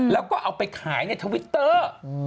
แล้วก็เอาไปขายในทวิตเตอร์